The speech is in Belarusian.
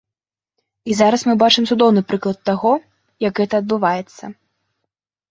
І зараз мы бачым цудоўны прыклад таго, як гэта адбываецца.